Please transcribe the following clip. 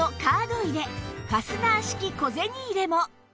ファスナー式小銭入れも！